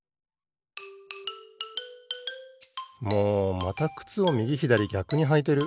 もうまたくつをみぎひだりぎゃくにはいてる！